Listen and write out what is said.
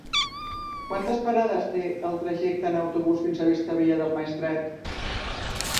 Quantes parades té el trajecte en autobús fins a Vistabella del Maestrat?